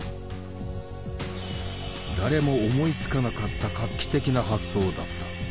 誰も思いつかなかった画期的な発想だった。